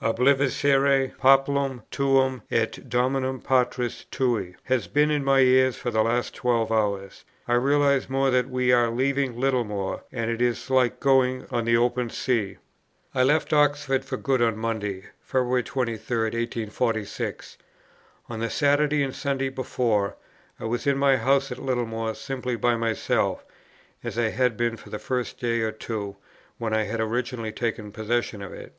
'Obliviscere populum tuum et domum patris tui,' has been in my ears for the last twelve hours. I realize more that we are leaving Littlemore, and it is like going on the open sea." I left Oxford for good on Monday, February 23, 1846. On the Saturday and Sunday before, I was in my house at Littlemore simply by myself, as I had been for the first day or two when I had originally taken possession of it.